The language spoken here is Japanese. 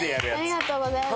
ありがとうございます。